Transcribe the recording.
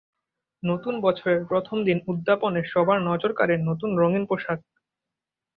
নতুন বছরের প্রথম দিন উদ্যাপনে সবার নজর কাড়ে নতুন রঙিন পোশাক।